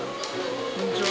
こんにちは。